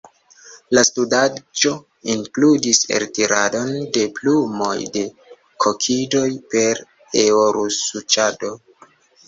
La studaĵo inkludis eltiradon de plumoj de kokidoj per aerosuĉado.